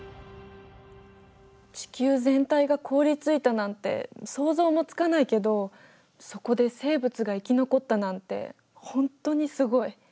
地球全体が凍りついたなんて想像もつかないけどそこで生物が生き残ったなんて本当にすごい。